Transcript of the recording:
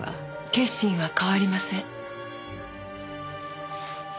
決心は変わりません。